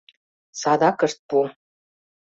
Садак ышт пу.